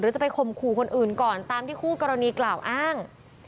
จะไปข่มขู่คนอื่นก่อนตามที่คู่กรณีกล่าวอ้าง